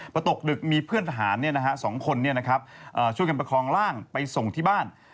พอตกดึกมีเพื่อนทหาร๒คนช่วยกันประคองร่างไปส่งที่บ้าน